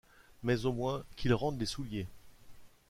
Mais, au moins, qu’ils rendent les souliers !